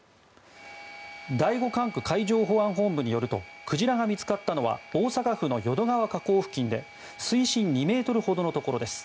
第５管区海上保安本部によるとクジラが見つかったのは大阪府の淀川河口付近で水深２ｍほどのところです。